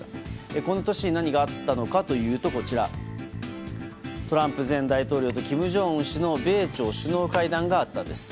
この年に何があったのかというとトランプ前大統領と金正恩氏の米朝首脳会談があったんです。